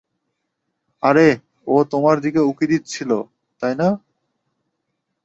আরে, ও তোমার দিকে উঁকি দিচ্ছিল, তাই না?